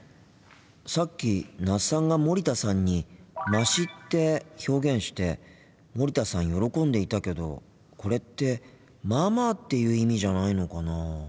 さっき那須さんが森田さんに「まし」って表現して森田さん喜んでいたけどこれって「まあまあ」っていう意味じゃないのかなあ。